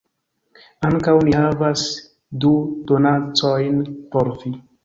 Ankaŭ ni havas du donacojn por vi